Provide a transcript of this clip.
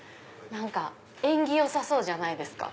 縁起よさそうじゃないですか？